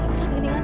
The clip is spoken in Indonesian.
aduh gue ingat